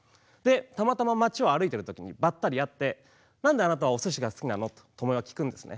たまたま町を歩いてる時にばったり会って何であなたはお鮨がすきなの？とともよは聞くんですね。